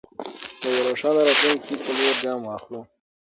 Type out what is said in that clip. د یوه روښانه راتلونکي په لور ګام واخلو.